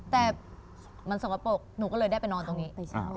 แต่มันสกปรกหนูก็เลยได้ไปนอนตรงนี้